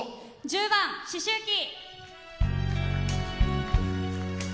１０番「思秋期」。